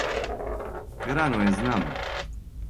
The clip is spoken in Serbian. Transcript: Рано је, знам.